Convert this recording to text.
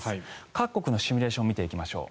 各国のシミュレーション見ていきましょう。